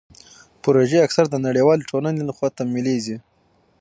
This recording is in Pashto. پروژې اکثر د نړیوالې ټولنې لخوا تمویلیږي.